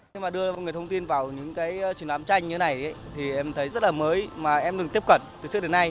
khi mà đưa người thông tin vào những cái truyền lãm tranh như thế này thì em thấy rất là mới mà em đừng tiếp cận từ trước đến nay